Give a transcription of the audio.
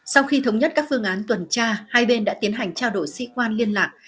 sau khi thống nhất các phương án tuần tra hai bên đã tiến hành trao đổi sĩ quan liên lạc